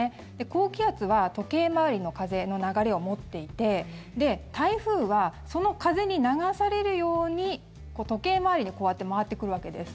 高気圧は時計回りの風の流れを持っていて台風はその風に流されるように時計回りにこうやって回ってくるわけです。